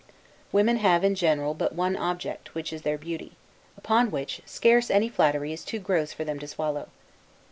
Women have, in general, but one object, which is their beauty; upon which, scarce any flattery is too gross for them to swallow.